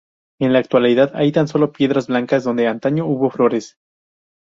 En la actualidad hay tan sólo piedras blancas donde antaño hubo flores.